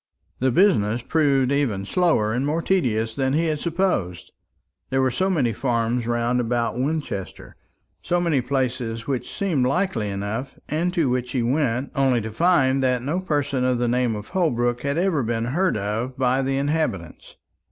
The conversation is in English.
The business proved even slower and more tedious than he had supposed; there were so many farms round about Winchester, so many places which seemed likely enough, and to which he went, only to find that no person of the name of Holbrook had ever been heard of by the inhabitants.